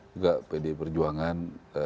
juga pd perjuangan